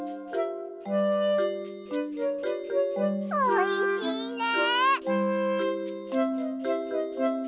おいしいね！